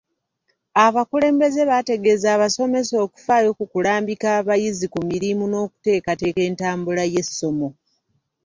Abakulembeze baategeeza abasomesa okufaayo ku kulambika abayizi ku mirimu n'okuteekateeka entabula y'essomo.